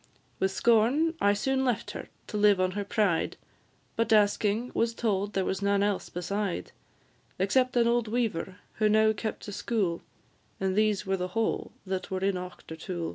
With scorn I soon left her to live on her pride; But, asking, was told there was none else beside, Except an old weaver, who now kept a school, And these were the whole that were in Auchtertool.